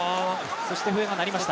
そして笛は鳴りました。